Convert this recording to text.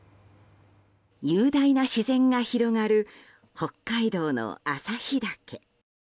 雄大な自然が広がる北海道の旭岳。